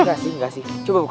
enggak sih enggak sih coba buka